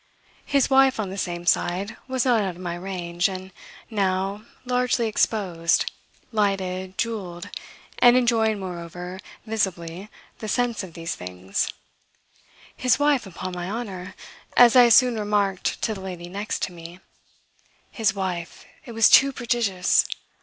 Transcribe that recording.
His wife, on the same side, was not out of my range, and now, largely exposed, lighted, jewelled, and enjoying moreover visibly the sense of these things his wife, upon my honour, as I soon remarked to the lady next me, his wife (it was too prodigious!)